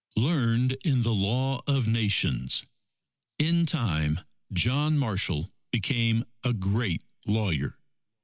Learned in the Law of Nations In time, John Marshall became a great lawyer.